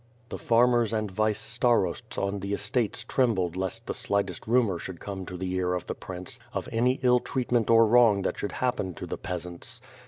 The farmers and vice starosts on the estates trembled lest the slightest rumor should come to the ear of the prince of any ill treatment or wrong that should happen to the peasants.